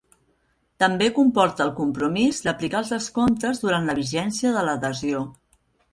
També comporta el compromís d'aplicar els descomptes durant la vigència de l'adhesió.